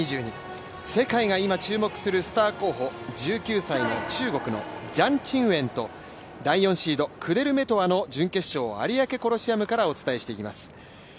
世界が今注目するスター候補、１９歳の中国のジャン・チンウェンと第４シード、クデルメトワの準決勝第１試合、有明コロシアムからお伝えしていきます。